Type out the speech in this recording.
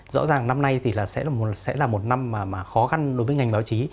rõ ràng năm nay thì sẽ là một năm mà khó khăn đối với ngành báo chí